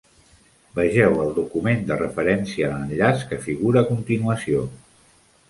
Vegeu el document de referència a l'enllaç que figura a continuació.